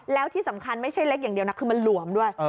แล้วที่สำคัญไม่ใช่เล็กอย่างเดียวนะคือมันหลวมด้วย